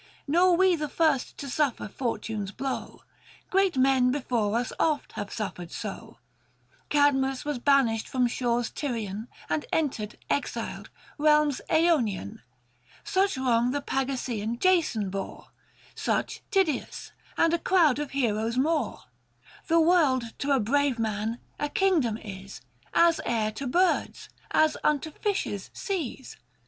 Nor we the first to suffer Fortune's blow, 515 Great men before us oft have suffered so : Cadmus was banished from shores Tyrian And entered, exiled, realms Aonian. Such wrong the Pagassean Jason bore ; Such Tydeus ; aud a crowd of heroes more. 520 The world, to a brave man, a kingdom is — As air to birds, — as unto fishes seas.